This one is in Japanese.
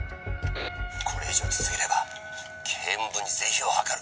「これ以上続ければ警務部に是非を諮る！」